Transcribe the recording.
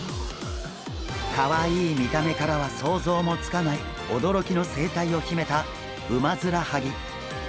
かわいい見た目からは想像もつかない驚きの生態を秘めたウマヅラハギ。